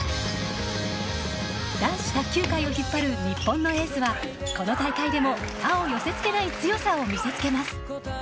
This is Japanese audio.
男子卓球界を引っ張る日本のエースはこの大会でも他を寄せつけない強さを見せます。